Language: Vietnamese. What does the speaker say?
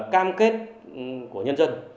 cam kết của nhân dân